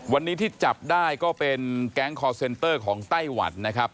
วันนี้ที่จับได้ก็เป็นแก๊งคอร์เซนเตอร์ของไต้หวันนะครับ